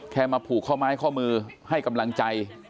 มาผูกข้อไม้ข้อมือให้กำลังใจ